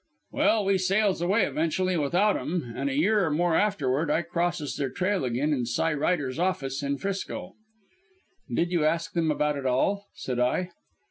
"Well, we sails away eventually without 'em; an' a year or more afterward I crosses their trail again in Cy Ryder's office in 'Frisco." "Did you ask them about it all?" said I.